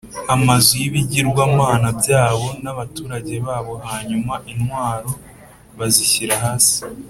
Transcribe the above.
amazu y ibigirwamana b byabo n abaturage babo Hanyuma intwaro bazishyira hasi